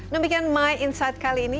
demikian my insight kali ini